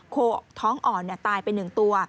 ท้องอ่อนตายไป๑ตัว